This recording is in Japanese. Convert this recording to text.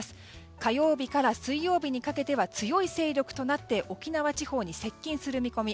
火曜日から水曜日にかけては強い勢力となって沖縄地方に接近する見込み。